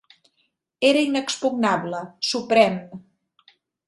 Era inexpugnable, suprem.